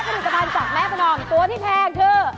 ขนิดสมัยจากแม่คุณออมตัวที่แพงคือ